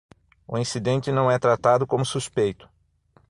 O incidente não é tratado como suspeito.